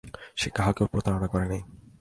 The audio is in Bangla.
সে কাহাকেও প্রতারণা করে নাই।